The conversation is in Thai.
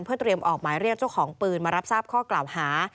เพื่อเตรียมออกหมายเรียกเจ้าของปืนมารับทราบข้อกล่าวหา